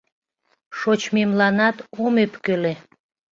Шочмемланат ом ӧпкеле